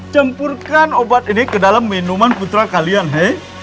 cempurkan obat ini ke dalam minuman putra kalian hei